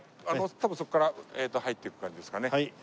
多分そこから入っていく感じですかね。